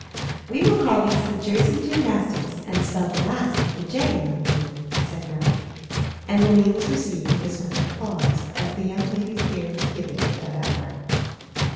"We will call these the Jersey Jymnastics, and spell the last with a J, my dear," said Nelly; and the name was received with as much applause as the young ladies dared to give it at that hour.